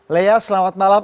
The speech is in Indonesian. lea selamat malam